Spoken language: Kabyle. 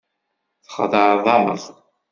Txedεeḍ-aɣ.